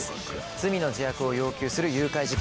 罪の自白を要求する誘拐事件。